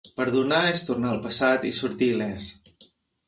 Perdonar és tornar al passat i sortir il·lès.